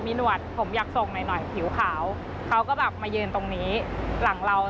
มีหนวดผมอยากส่งหน่อยหน่อยผิวขาวเขาก็แบบมายืนตรงนี้หลังเรา